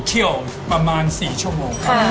เข้าออกประมาณ๔ชั่วโมง